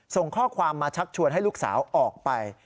ส่งข้อความมาชักชวนให้ลูกสาวออกไป